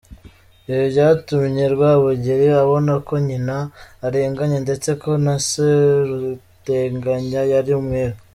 Ibi byatumye Rwabugili abona ko nyina arenganye ndetse ko na Seruteganya yari umwere.